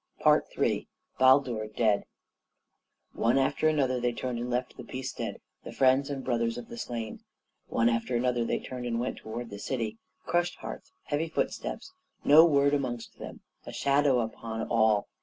III BALDUR DEAD One after another they turned and left the Peacestead, the friends and brothers of the slain. One after another they turned and went towards the city; crushed hearts, heavy footsteps, no word amongst them, a shadow upon all.